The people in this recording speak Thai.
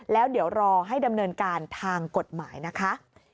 แล้วเดี๋ยวรอให้ดำเนินการทางกฎหมายนะคะ